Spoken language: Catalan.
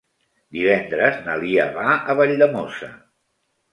Divendres na Lia va a Valldemossa.